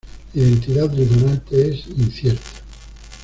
La identidad del donante es incierta.